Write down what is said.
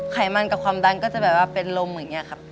ไขมันกับความดันก็จะแบบว่าเป็นลมอย่างนี้ครับ